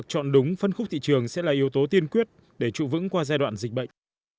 chọn đúng phân khúc thị trường sẽ là yếu tố tiên quyết để trụ vững qua giai đoạn dịch bệnh